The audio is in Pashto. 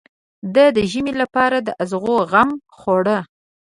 ده د ژمي لپاره د ازوغ غم خوړ.